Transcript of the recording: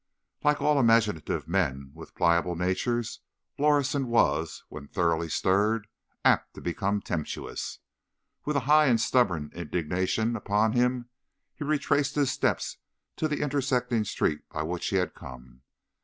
Like all imaginative men with pliable natures, Lorison was, when thoroughly stirred, apt to become tempestuous. With a high and stubborn indignation upon him, be retraced his steps to the intersecting street by which he had come.